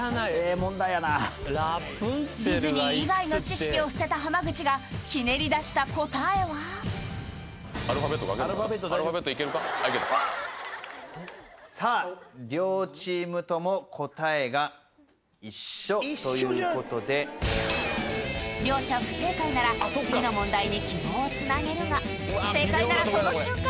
問題やなディズニー以外の知識を捨てた濱口がひねり出した答えはさあ両チームとも答えが一緒ということで両者不正解なら次の問題に希望をつなげるが正解ならその瞬間